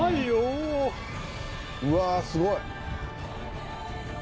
「うわすごい！」